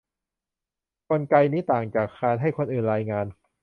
กลไกนี้ต่างจากการให้คนอื่นรายงาน